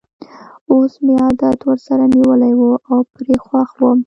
اوس مې عادت ورسره نیولی وو او پرې خوښ وم.